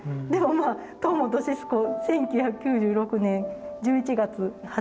でもまあ「塔本シスコ１９９６年１１月」。